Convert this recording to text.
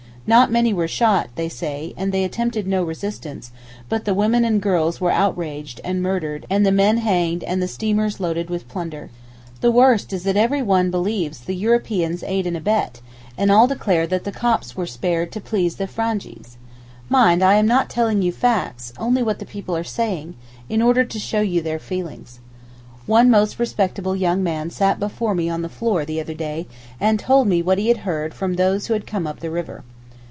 Not many were shot, they say, and they attempted no resistance, but the women and girls were outraged and murdered and the men hanged and the steamers loaded with plunder. The worst is that every one believes that the Europeans aid and abet, and all declare that the Copts were spared to please the Frangees. Mind I am not telling you facts only what the people are saying—in order to show you their feelings. One most respectable young man sat before me on the floor the other day and told me what he had heard from those who had come up the river.